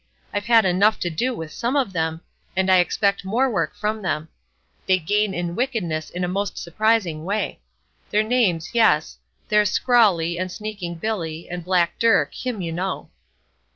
I've had enough to do with some of them; and I expect more work from them. They gain in wickedness in a most surprising way. Their names, yes; there's Scrawley and Sneaking Billy, and Black Dirk, him you know."